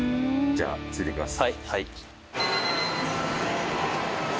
じゃあついていきます。